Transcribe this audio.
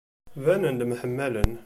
Banen-d mḥemmalen.